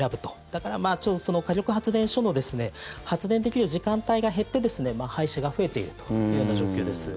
だから、火力発電所の発電できる時間帯が減って廃止が増えているというような状況です。